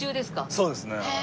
そうですね。